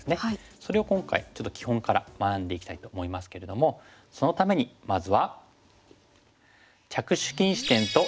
それを今回ちょっと基本から学んでいきたいと思いますけれどもそのためにまずは。